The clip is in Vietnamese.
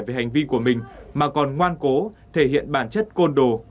về hành vi của mình mà còn ngoan cố thể hiện bản chất côn đồ